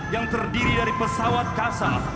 yang terdiri dari pesawat kasa dua ratus dua belas